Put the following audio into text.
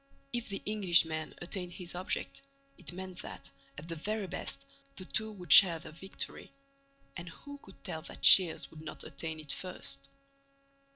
If the Englishman attained his object, it meant that, at the very best, the two would share the victory; and who could tell that Shears would not attain it first?